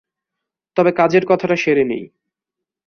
তবে কাজের কথাটা সেরে নিই।